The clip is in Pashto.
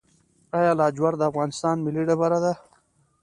آیا لاجورد د افغانستان ملي ډبره ده؟